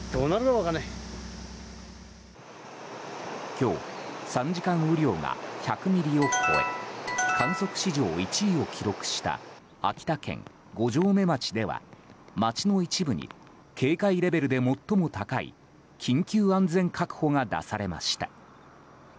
今日、３時間雨量が１００ミリを超え観測史上１位を記録した秋田県五城目町では町の一部に警戒レベルで最も高い緊急安全確保が出されました。